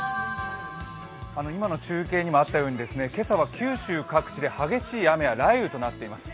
今の中継にもあったように今朝は九州各地で激しい雨や雷雨となっています。